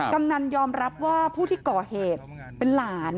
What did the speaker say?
กำนันยอมรับว่าผู้ที่ก่อเหตุเป็นหลาน